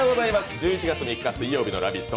１１月３日の「ラヴィット！」！。